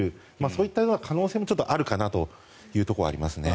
そういった可能性もあるかなというところはありますね。